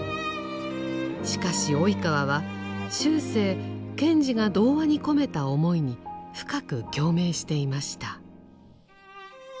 しかし及川は終生賢治が童話に込めた思いに深く共鳴していました。